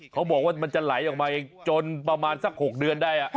เขาบอกว่ามันจะไหลออกมาเองจนประมาณสัก๖เดือนได้